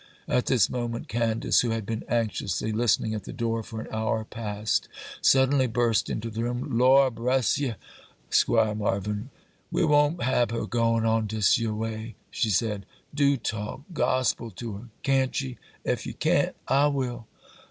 At this moment, Candace, who had been anxiously listening at the door for an hour past, suddenly burst into the room. 'Lor' bress ye, Squire Marvyn, we won't hab her goin' on dis yer way,' she said. 'Do talk gospel to her, can't ye—ef you can't, I will.